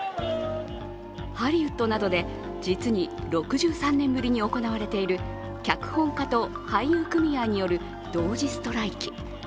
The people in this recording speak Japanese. ハリウッドなどで実に６３年ぶりに行われている脚本家と俳優組合による同時ストライキ。